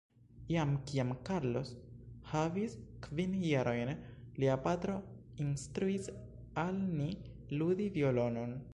Jam kiam Carlos havis kvin jarojn, lia patro instruis al ni ludi violonon.